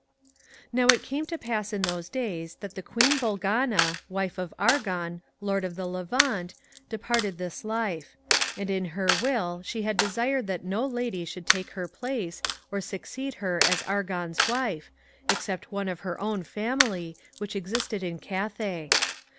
Now it came to pass in those days that the Queen BoLGANA, wife of Argon, Lord of the Levant, departed this life. And in her Will she had desired that no Lady should take her place, or succeed her as Argon's wife, except one of her own family [which existed in Cathay].